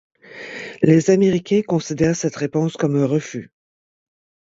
Les Américains considèrent cette réponse comme un refus.